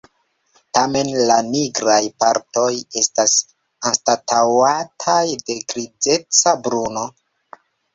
Tamen la nigraj partoj estas anstataŭataj de grizeca bruno.